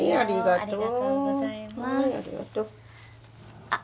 ありがとうございますあっ